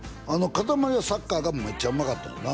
かたまりはサッカーがめっちゃうまかったんよな？